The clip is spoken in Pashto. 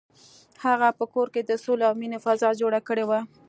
هغه په کور کې د سولې او مینې فضا جوړه کړې وه.